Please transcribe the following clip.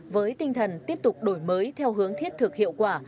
với tinh thần tiếp tục đổi mới theo hướng thiết thực hiệu quả